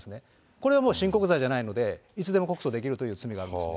これはもう、親告罪じゃないので、いつでも告訴できるという罪があるんです。